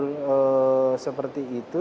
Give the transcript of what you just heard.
jalur jalur seperti itu